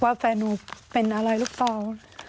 แฟนหนูเป็นอะไรหรือเปล่า